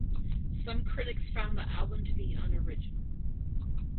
Some critics found the album to be unoriginal.